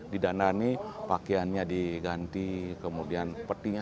didandani pakaiannya diganti kemudian petinya